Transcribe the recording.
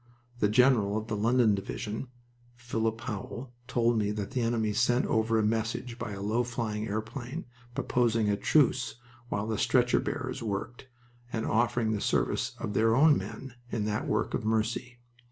The general of the London Division (Philip Howell) told me that the enemy sent over a message by a low flying airplane, proposing a truce while the stretcher bearers worked, and offering the service of their own men in that work of mercy.